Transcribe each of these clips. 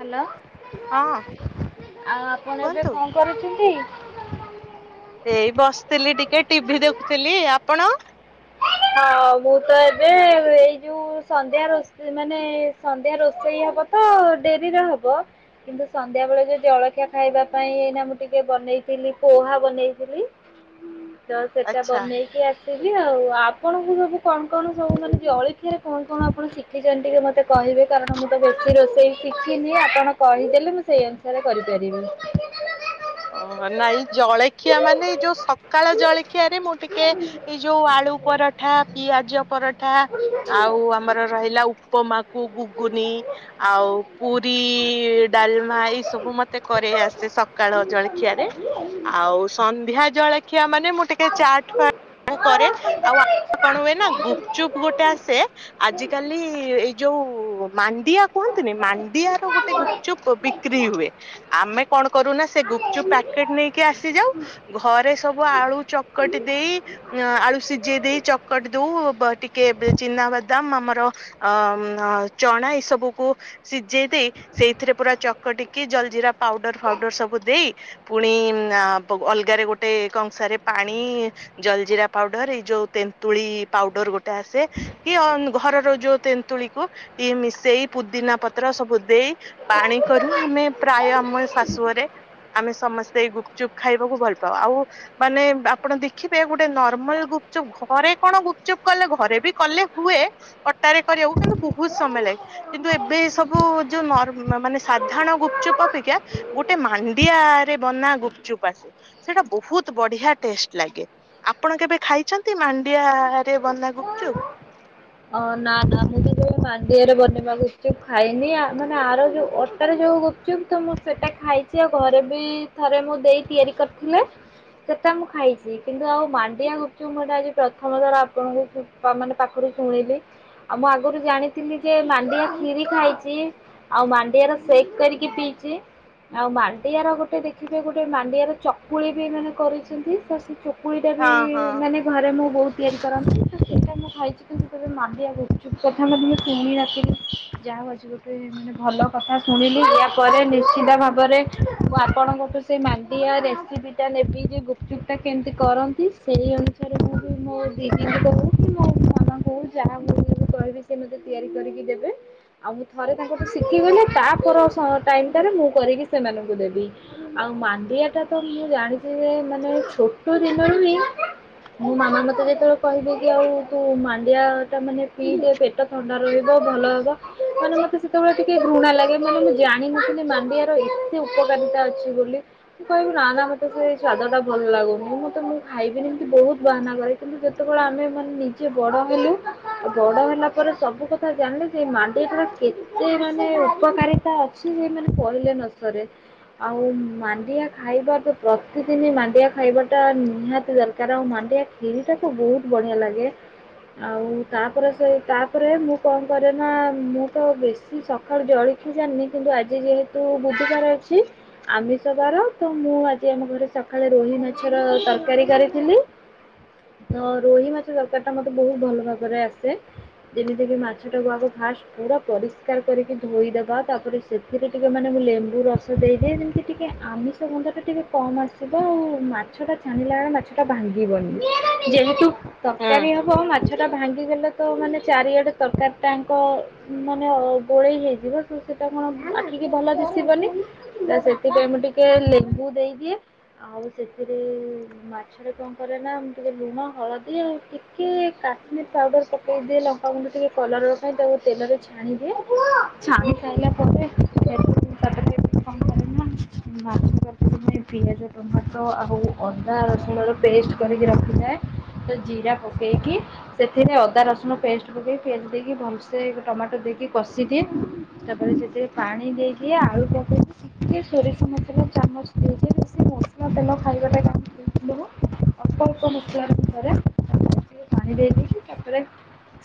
Hello. ହଁ ଆଉ ଆପଣ ଏବେ କୁହନ୍ତୁ। କଣ କରୁଛନ୍ତି। ଏଇ ବସିଥିଲି ଟିକେ ଟିଭି ଦେଖୁଥିଲି ଆପଣ ହଉ ମୁଁ ତ ଏବେ ଏଇ ଯୋଉ ସନ୍ଧ୍ୟା ରଷେଇ ମାନେ ସନ୍ଧ୍ୟା ରୋଷେଇ ହବ ତ ଡେରିରେ ହବ କିନ୍ତୁ ସନ୍ଧ୍ୟା ବେଳେ ଯୋଉ ଜଳଖିଆ ଖାଇବା ପାଇଁ ଏଇନା ମୁଁ ଟିକେ ବନେଇଥିଲି ପୋହା ବନେଇଥିଲି। ତ ସେଟା ଆଚ୍ଛା। ବନେଇକି ଆସ ଦେବି ଆଉ। ଆପଣଙ୍କୁ ସବୁ କଣ କଣ ସବୁ ମାନେ ଜଳଖିରେ କଣ କଣ ଆପଣ ଶିଖିଛନ୍ତି ଟିକେ ମତେ କହିବେ କାରଣ ମୁଁ ତ ବେଶୀ ରୋଷେଇ ଶିଖିନି। ଆପଣ କହିଦେଲେ ମୁଁ ସେଇ ଅନୁସାରେ କରିପାରିବି। ଓହୋ ନାଇଁ ଜଳଖିଆ ମାନେ ଏଇ ଯୋଉ ସକାଳ ଜଳଖିଆ ରେ ମୁଁ ଟିକେ ଏଇ ଯୋଉ ଆଳୁ ପରଠା ପିଆଜ ପରଠା ଆଉ ଆମର ରହିଲା ଉପମା ଗୁଗୁନି ଆଉ ପୁରୀ ଡାଲମା ଏଇ ସବୁ ମତେ କରେଇ ଆସେ ସକାଳ ଜଳଖିଆରେ ଆଉ ସନ୍ଧ୍ୟା ଜଳଖିଆ ମାନେ ମୁଁ ଟିକେ ଚାଟ ଫଟ କରେ ଆଉ କଣ ହୁଏ ଗୁପଚୁପ ଗୋଟେ ଆସେ ଆଜି କାଲି ଏ ଯୋଉ ମାଣ୍ଡିଆ କୁହନ୍ତିନି ମାଣ୍ଡିଆ ର ଗୋଟେ ଗୁପଚୁପ ବିକ୍ରି ହୁଏ ଆମେ କଣ କରୁନା ସେ ଗୁପ ଯ ପ୍ୟାକେଟ ନେଇକି ଆସିଯାଉ ଘରେ ସବୁ ଆଳୁ ଚକଟି ଦେଇ ଆଳୁ ସିଝେଇ ଦେଇ ଚକଟି ଦଉ ଟିକେ ଚିନାବାଦାମ ଆମର ଅ ଚଣା ଏଇସବୁକୁ ସିଝେଇ ଦେଇ ସେଇଥିରେ ପୁରା ଚକଟିକି ଜଲଜିିରା ପାଉଡର ଫାଉଡର ସବୁ ଦେଇ ପୁଣି ଅଲଗାରେ ଗୋଟେ କଂସାରେ ପାଣି ଜଲଜିରା ପାଉଡର ଏଇ ଯୋଉ ତେନ୍ତୁଳି ପାଉଡର ଗୋଟେ ଆସେ କି ଘରର ଯୋଉ ତେନ୍ତୁଳିକୁ ଟିକେ ମିଶେଇ ପୁଦିନା ପତ୍ର ସବୁ ଦେଇ ପାଣି କରୁ ଆମେ ପ୍ରାୟ ଆମ ଶାଶୁଘରେ ଆମେ ସମସ୍ତେ ଏଇ ଗୁପଚୁପ୍ ଖାଇବାକୁ ଭଲ ପାଉ ଆଉ ମାନେ ଆପଣ ଦେଖିବେ ଗୋଟେ ନର୍ମାଲ ଗୁପଚୁପ ଘରେ କଣ ଗୁପଚୁପ କଲେ ଘରେ ବି କଲେ ହୁଏ କଟାରେ କରିବାକୁ କିନ୍ତୁ ବହୁତ ସମୟ ଲାଗେ କିନ୍ତୁ ଏବେ ସବୁ ଯୋଉ ମାନେ ସାଧାରଣ ଗୁପଚୁପ୍ ଅପେକ୍ଷା ଗୋଟେ ମାଣ୍ଡିଆରେ ବନା ଗୁପଚୁପ୍ ଆସେ ସେଟା ବହୁତ ବଢିଆ ଟେଷ୍ଟ ଲାଗେ ଆପଣ କେବେ ଖାଇଛନ୍ତି ମାଣ୍ଡିଆରେ ବନା ଗୁପଚୁପ ଅ ନା ନା ମୁଁ ତ ଯୋଉ ମାଣ୍ଡିଆରେ ବନେଇବା ଗୁପଚୁ ଖାଇନି ମାନେ ଆର ଯୋଉ ଅଟାରେ ଯୋଉ ଗୁପଚୁପ ତ ମୁଁ ସେଟା ଖାଇଛି ଆଉ ଘରେ ବି ଥରେ ମୁଁ ଦେଇ ତିଆରି କରିଥିଲେ ସେଟା ମୁଁ ଖାଇଛି କିନ୍ତୁ ଆଉ ମାଣ୍ଡିଆ ଗୁପଚୁପଁ ଏଟାଜି ପ୍ରଥମ ଥର ଆପଣଙ୍କୁ ମାନେ ପାଖରୁ ଶୁଣିଲି ଆଉ ମୁଁ ଆଗରୁ ଜାଣିଥିଲି ଯେ ମାଣ୍ଡିଆ କ୍ଷିରି ଖାଇଛି ଆଉ ମାଣ୍ଡିଆ ର ସେକ୍ କରିକି ପିଇଛି ଆଉ ମାଣ୍ଡିଆର ଗୋଟେ ଦେଖିବେ ଗୋଟେ ମାଣ୍ଡିଆର ଚକୁଳି ବି ମାନେ କରିଛନ୍ତି ସେ କୁଇଟା ବି ହଁ ହଁ। ମାନେ ଘରେ ମୁଁ ବହୁତ ତିଆରି କରନ୍ତି ତ ସେଟା ମୁ ଖାଇଚି। ଯେତବେଳେ ମାଣ୍ଡିଆ ଗୁପଚୁପ୍ କଥା ମେ ମୁଁ ଶୁଣି ନଥିଲି ଯାହା ହେଉଛି ଗୋଟେ ମାନେ ଭଲ କଥା ଶୁଣିଲି ଏହାୟାପରେ ନିଶ୍ଚିତ ଭାବରେ ମୁଁ ଆପଣଙ୍କଠୁ ସେଇ ମାଣ୍ଡିଆ ରେସିପିଟା ନେବି ଯେ ଗୁପଚୁପ୍ଟା କେମିତି କରନ୍ତି ସେଇ ଅନୁସାରେ ମୁଁ ବି ମୋ ଦିଦ କହୁଛି ମୋ ମାଆଙ୍କୁ ଯାହା ମୁଁ କହିବି ସେ ମତେ ତିଆରି କରିକି ଦେବେ ଆଉ ମୁଁ ଥରେ ତାଙ୍କ ତୁ ଶିଖିଗଲେ ତାପ ଟାଇ ଟାରେ ମୁଁ କରିକି ସେମାନଙ୍କୁ ଦେବି ଆଉ ମାଣ୍ଡିଆ ଟା ତ ମୁଁ ଜାଣିଛି ଯେ ମାନେ ଛୋଟ ଦିନ ନୁ ହଁ ମୋ ମାମା ମତେ ଯେତେବେଳେ କହିବେ କି ଆଉ ତୁ ମାଣ୍ଡିଆ ଟା ମାନେ ପିଇଦି ପେଟ ଥଣ୍ଡା ରହିବ ଭଲ ହେବ ମାନେ ମୋତେ ସେତେବେଳେ ଟିକେ ଘୃଣା ଲାଗେ ମାନେ ମୁଁ ଜାଣିିନିଥିଲିନି ମାଣ୍ଡିଆର ଏତେ ଉପକାରିତା ଅଛି ବୋଲି ମୁ କହିବି ନା ନା ମୋତେ ସେ ସ୍ଵାଦ ଟା ଭଲ ଲାଗୁନି ମୁଁତେ ମୁଁ ଖାଇବି ଏମିତି ବହୁତ ବାହାନା କରେ କିନ୍ତୁ ଯେତେବେଳେ ଆମେ ମାନେ ନିଜେ ବଡ଼ ବଡ ହେଲା ପରେ ସବୁ କଥା ଜାଣିଲେ ଯେ ମାଣ୍ଡିଆଟ ର କେତେ ମାନେ ଉପକାରିତା ଅଛି ସେ ମେ କହିଲେ ନ ସରେ ଆଉ ମାଣ୍ଡିଆ ଖାଇବା ତ ପ୍ରତିଦିନ ମାଣ୍ଡିଆ ଖାଇବାଟା ନିହାତି ଦରକାର ଆଉ ମାଣ୍ଡିଆ କ୍ଷିରିଟାକୁ ବହୁତ ବଢିଆ ଲାଗେ। ଆଉ ତାପରେ ସେ ତାପରେ ମୁଁ କଣ କରେନା ମୁଁ ତ ବେଶି ସକାଳୁ ଜଳଖିଆ ଜାଣିନି। କିନ୍ତୁ ଆଜି ଯେହେତୁ ବୁଧୁବାର ଅଛି ଆମିଷ ବାର ତ ମୁ ଆଜି ଆମ ଘରେ ସକାଳେ ରୋହି ମା ପ ତରକାରୀ କରି ରୋହି ମାଛ ତରକାରୀ ଟା ମତେ ବହୁତ ଭଲ ଭାବରେ ଆସେ ଯେମିତିକ ମାଛଟାକୁ ଆଗ ଫାଷ୍ଟ ପୁରା ପରିଷ୍କାର କରିକି ଧୋଇଦେବା ତାପରେ ସେଥିରେ ଟିକେ ମାନେ ମୁଁ ଲେମ୍ବୁ ରସ ଦେଇଦିଏ ଯେମିତି ଟିକେ ଆମିଷ ଗନ୍ଧ ଟା ଟିକେ କମ୍ ଆସିବ ଆଉ ମାଛଟା ଛାଣିଲା ବେଳେ ମାଛଟା ଭାଙ୍ଗିବନି ଯେହେତୁ ହୁଁ ତରକାରୀ ହୁଁ ହ ମାଛ ଟା ଭାଙ୍ଗିଗଲେ ତ ମାନେ ଚାରିଆଡେ ତରକାରୀ ଟାଙ୍କ ମାନେ ଗୋଳେଇ ହେଇଯିବ ତ ସେଟା କଣ ମାଟିକି ଭଲ ଦିଶିବନି ତ ସେଥିପାଇଁ ମୁଁ ଟିକେ ଲେମ୍ବୁ ଦେଇଦିଏ ଆଉ ସେଥିରେ ମାଛ ଟ କଣ କରେ ନା ଟିକେ ଲୁଣ ହଳଦୀ ଆଉ ଟିକେ କାଶ୍ମୀର ପାଉଡର ପକେଇ ଦିଏ ଲଙ୍କାାଗୁଣ୍ଡ ଟିକେ କଲର ରଖାଏ ତାକୁ ତେଲରେ ଛାଣି ଦିଏ ଛାଣି ସାଇା ପରେ ମାଛ ପିଆଜ ଟମାଟୋ ଆଉ ଅଦା ରସୁଣର ପେଷ୍ଟ କରିକି ରଖିଥାଏ ରା ପକେଇକି ସେଥିରେ ଅଦା ରସୁଣ ପେଷ୍ଟ ପକେଇକି ପିଆଜ ଦେଇକି ଭଲସେ ଟମାଟୋ ଦେଇକି କଷିଦିଏ ତାପରେ ସେଥିରେ ପାଣି ଦେଇଦିଏ ଆଳୁ ପକେଇକି ଟିକେ ସୋରିଷ ମାତ୍ର ଚାମଚ ଦେଇଦିଏ ମସଲା ତେଲ ଖାଇବାଟା ଅଳ୍ପ ଅଳ୍ପ ମସଲାରେ ପାଣି ଦେଇ ଦେଇଛିି ତାପରେ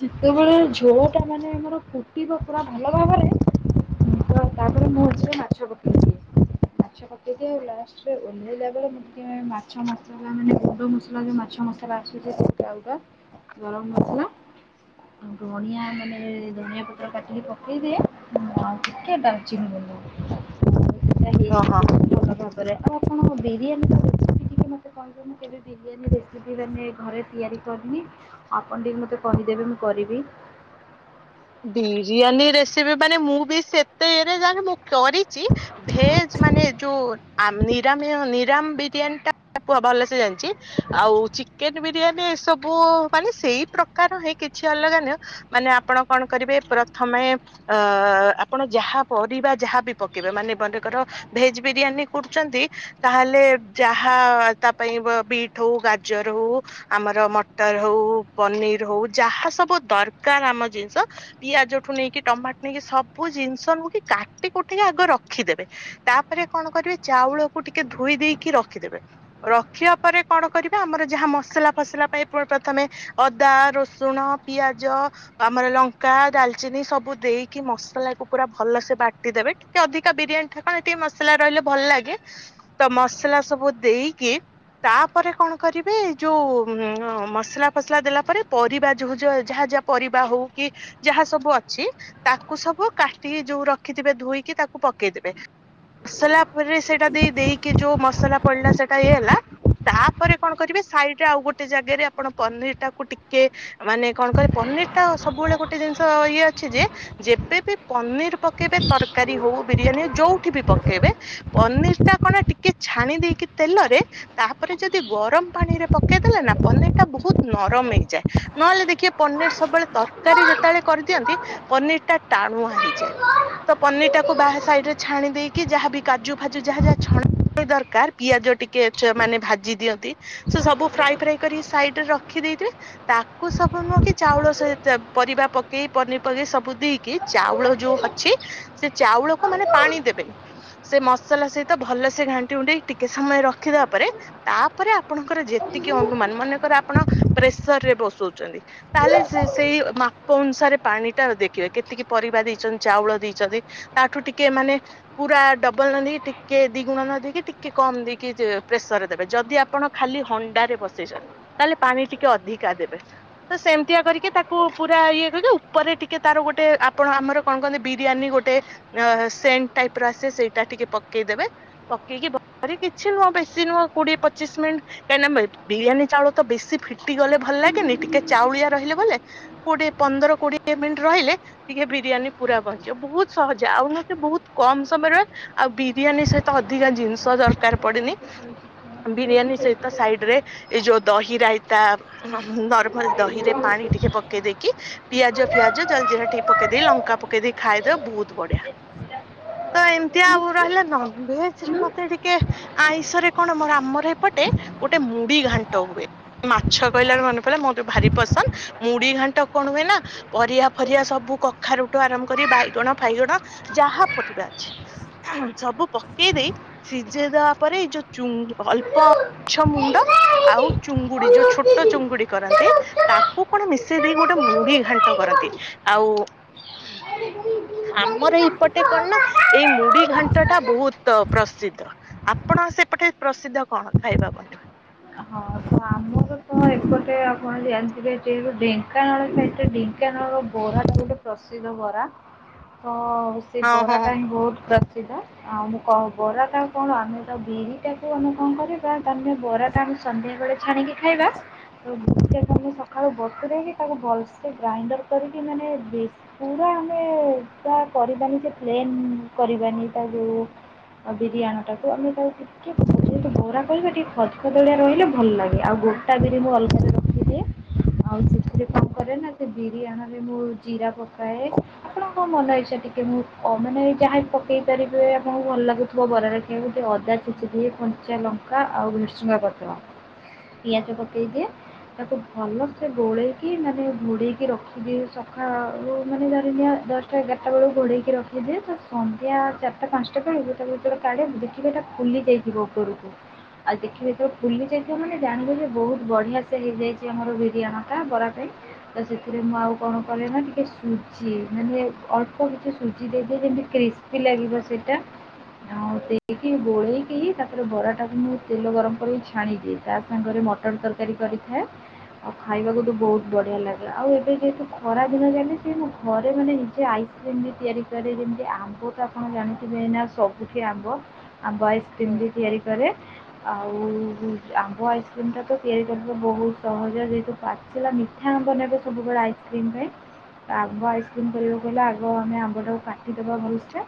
ସେତେବେଳେ ଝୋ ଟା ମାନେ ଆମର ଫୁଟିବ ପୁରା ଭଲ ଭାବରେ ତାପରେ ମୁଁଛି ମାଛ ପକେଇ ମାଛ ପକେଇଦିଏ ଆଉ ଲାଷ୍ଟରେ ଓହ୍ଲେଇଲା ବଳେ ମୁଁ ଟିକେ ମାଛ ମସଲା ମାନେ ଗୁଣ୍ଡ ମସଲା ଯୋଉ ମାଛ ମସଲା ଆସ ଥିଟା ଗରମ ମସଲା ଆଉ ଧଣିଆ ମାନେ ଧନିଆ ପତ୍ର କାଟିକି ପକେଇଦିଏ ଆଉ ଟିକେ ଡାଲଚିନ ବଲେ ଓହୋ। ଭଲ ଆଉ ଆପଣ ବିରିୟାନୀ ଟିକେ ମତେ କହିବେନି କେବେ ବିରିୟାନୀ ରେସିପି ମାନେ ଘରେ ତିଆରି କରିନି ଆପଣ ଟିକେ ମତେ କହିଦେବେ ମୁଁ କରିବି ବିରିୟାନୀ ରେସିପି ମାନେ ମୁଁ ବି ସେତେରେ ଜାଣ ମୁ କରିଛି ଭେଜ ମାନେ ଯୋଉ ଆମ ନିରା ନିରମ୍ ବିରିୟାନୀ ପୁ ଭଲ ସେ ଜାଣିି ଆଉ ଚିକେନ ବିରିୟାନୀ ଏସବୁ ସବୁ ମାନେ ସେଇ ପ୍ରକାର ହିଁ କିଛି ଅଲଗା ନଅ ମାନେ ଆପଣ କଣ କରିବେ ପ୍ରଥମେ ଅ ଆପଣ ଯାହା ପରିବା ଯାହାବି ପକେଇବେ। ମାନେ ମନେକର ଭେଜ ବିରିୟାନୀ କରୁଛନ୍ତି ତାହେଲେ ଯାହା ତା ପାଇଁ ବିଟ୍ ହଉ ଗାଜର ହଉ ଆମର ମଟର ହଉ ପନିର ହଉ ଯାହା ସବୁ ଦରକାର ଆମ ଜିନିଷ ପିଆଜଠୁ ନେଇକି ଟମାଟୋ ନେଇକି ସବୁ ଜିନିଷ କାଟି କୁଟିକି ଆଗ ରଖିଦେବେ। ତାପରେ କଣ କରିବେ ଚାଉଳକୁ ଟିକେ ଧୋଇ ଦେଇକି ରଖିଦେବେ। ରଖିବା ପରେ କଣ କରିବେ ଆମର ଯାହା ମସଲା ଫସଲା ପାଇଁ ପ୍ରଥମେ ଅଦା ରସୁଣ ପିଆଜ ଆମର ଲ କା ଡାଲଚିନି ସବୁ ଦେଇକି ମସଲା କୁ ପୁରା ଭଲସେ ବାଟିଦେବେ ଟିକେ ଅଧିକା ବିରିୟାନୀ ଠା କଣ ଟିକେ ମସଲା ରହିଲେ ଭଲ ଲାଗେ। ତ ମସଲା ସବୁ ଦେଇକି ତାପରେ କଣ କରିବେ ଏ ଯୋଉ ଉ ମସଲା ଫସଲା ଦେଲା ପରେ ପରିବା ଯଉ ଯାହା ଯାହା ପରିବା ହଉ କି ଯାହା ସବୁ ଅଛି ତାକୁ ସବୁ କାଟି ଯୋଉ ରଖିଥିବେ ଧୋଇକି ତାକୁ ପକେଇଦବେ। ମସଲା ପରେ ସେଇଟା ଦେଇ ଦେଇକି ଯୋଉ ମସଲା ପଡିଲା ସେଇଟା ଇଏ ହେଲା ତାପରେ କଣ କରିବେ ସାଇଡରେ ଆଉ ଗୋଟେ ଜାଗାରେ ଆପଣ ପନିର ଟାକୁ ଟିକେ ମାନେ କଣ କହିବେ ପନିର ଟା ସବୁବେଳେ ଗୋଟେ ଗୋଟେ ଜିନିଷ ଇଏ ଅଛି ଯେ ଯେବେ ବି ପନିର ପକେଇବେ ତରକାରୀ ହଉ ବିରିୟାନୀ ହଉ ଯୋଉଠି ବି ପକେଇବେ ପନିର ଟା କଣ ଟିକେ ଛାଣି ଦେଇକି ତେଲରେ ତାପରେ ଯଦି ଗରମ ପାଣିରେ ପକେଇଦେଲେ ନା ପନିର ଟା ବହୁତ ନରମ ହେଇଯାଏ। ନହେଲେ ଦେଖିବେ ପନିର ସବୁବେଳେ ତରକାରୀ ଯେତେ ଳେ କରିଦିଅନ୍ତି ପନିର ଟା ଟାଣୁଆ ହେଇଯାଏ। ତ ପନିର ଟାକୁ ବାହା ସାଇଡ ରେ ଛାଣି ଦେଇକି ଯାହାବି କାଜୁ ଫାଜୁ ଯାହା ଯାହା ଛଣା ଦରକାର। ପିଆଜ ଟିକେ ମାନେ ଭାଜି ଦିଅନ୍ତି ସେ ସବୁ ଫ୍ରାଏ ଫ୍ରାଏ କରି ସାଇଡରେ ରଖି ଦେଇଥିବେ ତାକୁ ସବୁ ନୁହଁ କି ଚାଉଳ ପରିବା ପକେଇ ପନିର ଫନିର ସବୁ ଦେଇକି ଚାଉଳ ଯୋଉ ଅଛି ସେ ଚାଉଳକୁ ମାନେ ପାଣି ଦେବେନି ସେ ମସଲା ସହିତ ଭଲସେ ଘାଣ୍ଟି ଘୁଣ୍ଟି କି ଟିକେ ସମୟ ରଖିଦବା ପରେ ତାପରେ ଆପଣଙ୍କର ଯେତିକି ଅନୁମାନ ମନେକର ଆପଣ ପ୍ରେସରରେ ବସଉଛନ୍ତି ତାହେଲେ ସେଇ ମାପ ମାପ ଅନୁସାରେ ପାଣି ଟା ଦେଖିବେ। କେତିକି ପରିବା ଦେଇଛନ୍ତି ଚାଉଳ ଦେଇଛନ୍ତି ତାଠୁ ଟିକେ ମାନେ ପୁରା ଡବଲ ନ ଦେଇକି ଟିକେ ଦି ଗୁଣ ନ ଦେଇକି ଟିକେ କମ ଦେଇକି ପ୍ରେସର ଦେବେ। ଯଦି ଆପଣ ଖାଲି ହଣ୍ଡା ରେ ବସେଇଛନ୍ତି ତାହେଲେ ପାଣି ଟିକେ ଅଧିକା ଦେବେ। ତ ସେମିତିଆ କରିକି ତାକୁ ପୁ ପୁରା ଇଏ ର ଯୋଉ ଉପରେ ଟିକେ ତାର ଗୋଟେ ଆପଣ ଆମର କଣ କହନ୍ତି ବିରିୟାନୀ ଗୋଟେ ଅ ସେଣ୍ଟ ଟାଇପ ର ଆସେ ସେଇଟା ଟିକେ ପକେଇଦେବେ। ପକେଇକି କିଛି ନୁହଁ ବେଶି ନୁହଁ କୋଡିଏ ପଚିଶ ମିନିଟ୍ କାହିଁକିନା ବିରିୟାନୀ ଚାଉଳ ତ ବେଶୀ ଫି ଫିଟି ଗଲେ ଭଲ ଲାଗେନି ଟିକେ ଚାଉଳିଆ। [unintelligible] କୋଡ଼ିଏ ପନ୍ଦର କୋଡିଏ ମିନିଟ ରହିଲେ ଟିକେ ବିରିୟାନୀ ପୁରା ବନିଯିବ। ବହୁତ ସହଜ ଆଉ ନହେଲେ ବହୁତ କମ ସମୟରେ ଆଉ ବିରିୟାନୀ ସହିତ ଅଧିକା ଜିନିଷ ଦରକାର ପଡେନି। ବିରିୟାନୀ ସହିତ ସାଇଡ ରେ ଏ ଯୋଉ ଦହି ରାଇତା ନର୍ମାଲ ଦହି ରେ ହଁ ପାଣି ଟିକେ ପକେଇ ଦେଇକି ପିଆଜ ଫିଆଜ ଜଲଜିରା ଟିକେ ପକେଇ ଦେଇକ ଲଙ୍କା ପକେଇ ଦେଇ ଖାଇଦବ ବହୁତ ବଢିଆ। ତ ଏମିତି ଆଉ ରହିଲା ନନଭେଜରେ ମତେ ଟିକେ ଆଇଁଷରେ କଣ ମୋର ଆମର ଏପଟେ ଗୋଟେ ମୁଢ ଘାଣ୍ଟ ହୁଏ ମାଛ କହିଲାର ମନେ ପଇଲା ମୋ ଭାରି ପସନ୍ଦ ମୁଢ଼ି ଘାଣ୍ଟ କଣ ହୁଏ ନା ପରିବା ଫରିଆ ସବୁ କଖାରୁଠୁ ଆରମ୍ଭ କରି ବାଇଗଣ ଫାଇଗଣ ଯାହା ପରିବା ଅଛି ସବୁ ପକେଇ ଦେଇ ସିଝେଇଦବା ପରେ ଏଇ ଯୋଉ ଚୁ ଅଳ୍ପ ମାଛ ମୁଣ୍ଡ ଆଉ ଚୁଙ୍ଗୁଡି ଯୋଉ ଛୋଟ ଚୁଙ୍ଗୁଡି କରନ୍ତି ତାକୁ କଣ ମିଶେଇ ଦେଇକି ଗୋଟେ ମୁଢି ଘାଣ୍ଟ କରନ୍ତି। ଆଉ ଆମର ଏଇପଟେ କଣ ନା ଏଇ ମୁଢି ଘାଣ୍ଟ ଟା ବହୁତ ପ୍ରସିଦ୍ଧ ଆପଣ ସେପଟେ ପ୍ରସିଦ୍ଧ କଣ ଖାଇବା ବନା ତ ଆମର ତ ଏପଟେ ଆପଣ ଜାଣିଥିବେ ଯେହେତୁ ଢେଙ୍କାନାଳ ସାଇଟରେ ଢେଙ୍କାନାଳ ର ବରାଟା ଗୋଟେ ପ୍ରସିଦ୍ଧ ବରା ହଁ ସେ ବରା ଟା ହଁ ବହୁତ ସ୍ୱାଦି ସିଧା ଆଉ ମୁଁ କ ବରାଟା କଣ ଆମେ ତ ବିରିଟାକୁ ଆମେ କଣ କରିବା ତମେ ବରାଟା ଆମେ ସନ୍ଧ୍ୟାବେଳେ ଛାଣିକି ଖାଇବା ବିରିଟାକୁ ଆମେ ସକାଳୁ ବତୁରେଇକି ତାକୁ ଭଲସେ ଗ୍ରାଇଣ୍ଡର୍ କରିକି ମାନେ ବେ ପୁରା ଆମେ ତା କରିବାନି ଯେ ପ୍ଲେନ୍ କରିବାନି ତା ଯୋଉ ବିରି ଆଣଟାକୁ ଆମେ ତାକୁ ଟିକେ ଯେହେତୁ ବରା କରିବା ଟିକେ ଖଦ ଖଦଡିଆ ରହିଲେ ଭଲ ଲାଗେ ଆଉ ଗୋ ଟା ବିରି ମୁଁ ଅଲଗାରେ ରଖିଦିଏ। ଆଉ ସେଥିରେ କଣ କରେ ନା ସେ ବିରି ଆଣରେ ମୁଁ ଜିରା ପକାଏ। ଆପଣଙ୍କ ମନ ଇଚ୍ଛା ଟିକେ ମୁଁ ମାନେ ଯାହା ପକେଇ ପାରିବେ ଆପଣଙ୍କୁ ଭଲ ଲାଗୁଥିବ ବରାରେ ଖାଇବାକୁ କୁ ଟିକେ ଅଦା ଛେଚି ଥିବେ କଞ୍ଚା ଲଙ୍କା ଆଉ ଭେରସୁଙ୍ଗା ପତ୍ର। ପିଆଜ ପକାଇଦିଏ। ତାକୁ ଭଲସେ ଗୋଳେଇକି ମାନେ ଘୋଡ଼େଇକି ରଖିଦିଏ ସକାଳୁ ମାନେ ଧରିିନିଆ ଦଶଟା ଏଗାରଟା ବେଳକୁ ଘୋଡ଼େଇକି ରଖିଦିଏ। ତ ସନ୍ଧ୍ୟା ଚାରିଟା ପାଞ୍ଚଟା ବେଳକୁ ତାକୁ ଯେତବେଳେ କାଢ଼ିବା ଦେଖିବେ ଏଇଟା ଫୁଲି ଯାଇଥିବ ଉପରକୁ ଆଉ ଦେଖିବେ ଯେତେବେଳେ ଫୁଲି ଯାଇଥିବ ମାନେ ଜାଣିବେ ଯେ ବହୁତ ବଢ଼ିଆ ସେ ହେଇଯାଇଛି ଆମର ବିରି ଆଣଟା ବରା ପାଇଁ। ତ ସେଥିରେ ମୁଁ ଆଉ କଣ କରେ ନା ଟିକେ ସୁଜି ମାନେ ଅଳ୍ପ କିଛି ସୁଜି ଦେଇଦିଏ ଯେମିତି କ୍ରିସ୍ପି ଲାଗିବ ସେଇଟା ।ଆଉ ଦେଇକି ଗୋଳେଇକି ତାପରେ ବରାଟାକୁ ମୁଁ ତେଲ ଗରମ କରିକି ଛାଣିଦିଏ। ତା ସାଙ୍ଗରେ ମଟନ୍ ତରକାରୀ କରିଥାଏ ଆଉ ଖାଇବାକୁ ତ ବହୁତ ବଢ଼ିଆ ଲାଗେ ଆଉ ଏବେ ଯେହେତୁ ଖରା ଦିନ ଜାଣେ ସେ ମୁଁ ଘରେ ମାନେ ନିଜେ ଆଇସ୍କ୍ରିମ୍ ବି ତିଆରି କରେ ଯେମିତି ଆମ୍ବ ତ ଆପଣ ଜାଣିଥିବେ ନା ସବୁଠି ଆମ୍ବ ଆମ୍ୱ ହୁଁ ଆଇସକ୍ରିମ ବି ତିଆରି କରେ। ଆଉ ଆମ୍ବ ଆଇସ୍କ୍ରିମ ଟା ତ ତିଆରି କରିବା ବହୁତ ସହଜ। ଯେହେତୁ ପାଚିଲା ମିଠା ଆମ୍ବ ନେବେ ସବୁବେଳେ ଆଇସ୍କ୍ରିମ୍ ପାଇଁ ତ ଆମ୍ବ ଆଇସ୍କ୍ରିମ୍ କରିବାକୁ ହେଲେ ଆଗ ଆମେ ଆମ୍ବଟାକୁ କାଟିଦେବା ଭଲସେ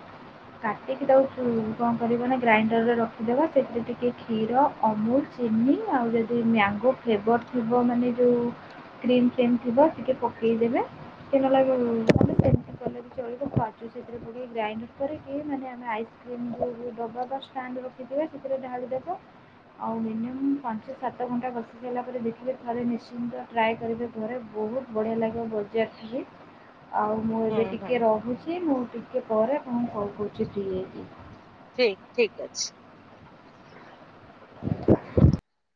କାଟିକି ତାକୁ କଣ କରିବା ନା ଗ୍ରାଇଣ୍ଡରରେ ରଖିଦେବା ସେଥିରେ ଟିକେ କ୍ଷୀର ଅମୁଲ ଚିନି ଆଉ ଯଦି ମ୍ୟାଙ୍ଗୋ ଫ୍ଲେଭର ଥିବ ମାନେ ଯୋଉ କ୍ରିମ ଫିମ ଥିବ ଟିକେ ପକେଇଦେବେ ଟିକେ ନହେଲେ ସେମିତି କଲେ ଚଳିବ କାଜୁ ସେଥିରେ ପକେଇ ଗ୍ରାଇଣ୍ଡ କରିକି ମାନେ ଆମେ ଆଇସ୍କ୍ରିମ ଯୋଉ ଡବା ବା ଷ୍ଟାଣ୍ଡ ରଖିଥିବା ସେଥିରେ ଢାଳିଦବା ଆଉ ମୁଁ ପାଞ୍ଚ ସାତ ଘଣ୍ଟା ବସି ସାରିଲା ପରେ ଦେଖିଲି ଥରେ ନିଶ୍ଚିନ୍ତ ଟ୍ରାଏ କରିବେ ଘରେ। ବହୁତ ବଢ଼ିଆ ଲାଗିବ ବଜାରଠୁ ବି ଆଉ ମୁଁ ହୁଁ ଏବେ ହୁଁ ଟିକେ ରହୁଛି ମୁଁ ଟି ଟିକେ ପରେ ତମକୁ କଲ କରୁଛି ଫ୍ରି ହେଇକି। ଠିକ ଠିକ ଅଛି। [inaudible]